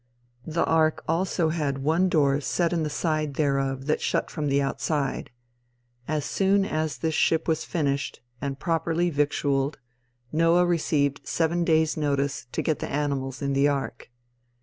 The ark also had one door set in the side thereof that shut from the outside. As soon as this ship was finished, and properly victualed, Noah received seven days notice to get the animals in the ark.